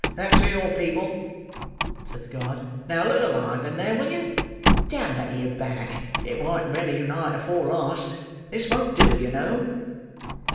"That's for your people," said the guard. "Now, look alive in there, will you. Damn that 'ere bag, it warn't ready night afore last; this won't do, you know!"